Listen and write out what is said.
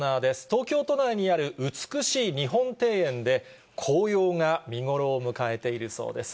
東京都内にある美しい日本庭園で、紅葉が見頃を迎えているそうです。